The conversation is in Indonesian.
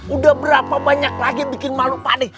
udah berapa banyak lagi bikin malu pak d